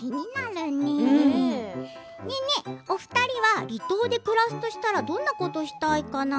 ねえねえ、お二人は離島で暮らすとしたらどんなことをしたいかな。